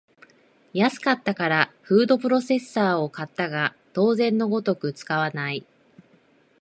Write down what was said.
安かったからフードプロセッサーを買ったが当然のごとく使わない